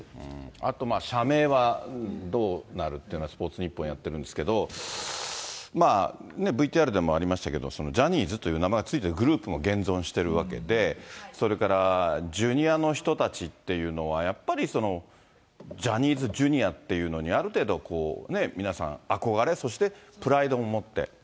あと社名はどうなるっていうのはスポーツニッポン、やってるんですけど、まあね、ＶＴＲでもありましたけど、ジャニーズという名前が付いてるグループも現存しているわけで、それからＪｒ．の人たちっていうのは、やっぱりジャニーズＪｒ．っていうのにある程度、皆さん憧れ、そしてプライドも持って。